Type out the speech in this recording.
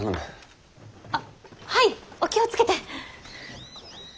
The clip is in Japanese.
あっはいお気を付けて！